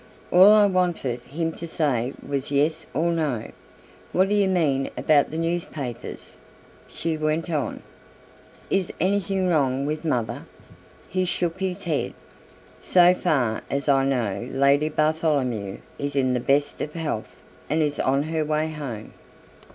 All I wanted him to say was yes or no. What do you mean about the newspapers?" she went on. "Is anything wrong with mother?" He shook his head. "So far as I know Lady Bartholomew is in the best of health and is on her way home."